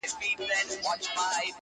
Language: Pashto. چاته وايی چي آواز دي اسماني دی!